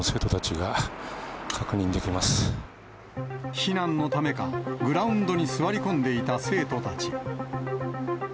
避難のためか、グラウンドに座り込んでいた生徒たち。